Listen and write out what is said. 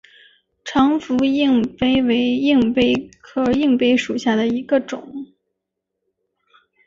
长蝠硬蜱为硬蜱科硬蜱属下的一个种。